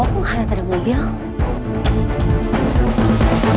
aku agak kerif taran ke badan